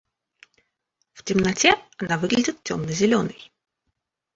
В темноте она выглядит темно-зеленой.